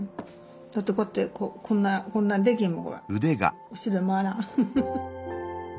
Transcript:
だってこうやってこんなこんなできんもんほら。